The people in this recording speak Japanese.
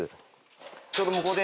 ちょうど向こうで。